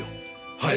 はい。